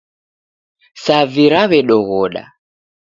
Savi rawedoghoda